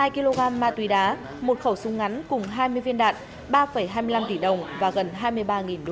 hai kg ma túy đá một khẩu súng ngắn cùng hai mươi viên đạn ba hai mươi năm tỷ đồng và gần hai mươi ba viên